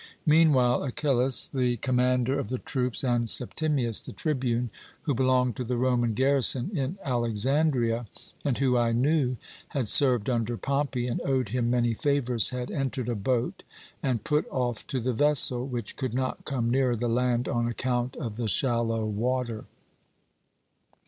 Meanwhile, Achillas, the commander of the troops, and Septimius, the tribune, who belonged to the Roman garrison in Alexandria, and who, I knew, had served under Pompey and owed him many favours, had entered a boat and put off to the vessel, which could not come nearer the land on account of the shallow water.